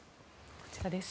こちらです。